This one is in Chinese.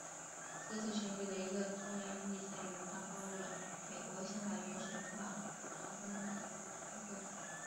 这次选举的一个重要意义在于它暴露了美国宪法原始条文中的一个缺陷。